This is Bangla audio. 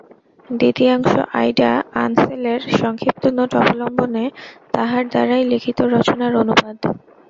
দ্বিতীয়াংশ আইডা আনসেলের সংক্ষিপ্ত নোট অবলম্বনে তাঁহার দ্বারাই লিখিত রচনার অনুবাদ।